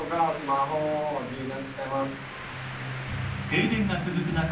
停電が続く中